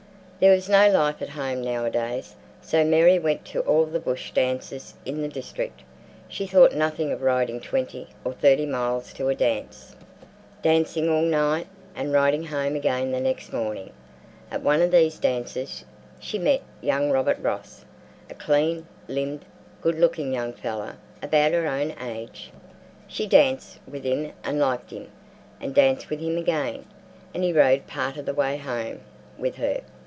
There was no life at home nowadays, so Mary went to all the bush dances in the district. She thought nothing of riding twenty or thirty miles to a dance, dancing all night, and riding home again next morning. At one of these dances she met young Robert Ross, a clean limbed, good looking young fellow about her own age. She danced with him and liked him, and danced with him again, and he rode part of the way home with her.